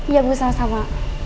iya bu sama sama